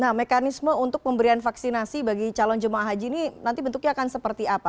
nah mekanisme untuk pemberian vaksinasi bagi calon jemaah haji ini nanti bentuknya akan seperti apa